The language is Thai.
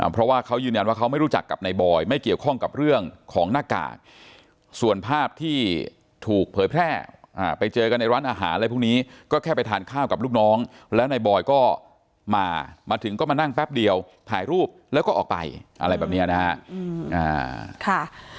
เพราะว่าเขายืนยันว่าเขาไม่รู้จักกับนายบอยไม่เกี่ยวข้องกับเรื่องของหน้ากากส่วนภาพที่ถูกเผยแพร่ไปเจอกันในร้านอาหารอะไรพวกนี้ก็แค่ไปทานข้าวกับลูกน้องแล้วนายบอยก็มามาถึงก็มานั่งแป๊บเดียวถ่ายรูปแล้วก็ออกไปอะไรแบบนี้นะฮะ